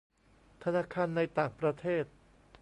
ธนาคารในต่างประเทศ